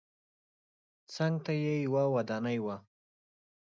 څنګ ته یې یوه ودانۍ وه.